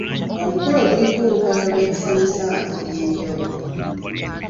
Omukolo guliko olukalala lw'ebisanyusa eby'enjawulo.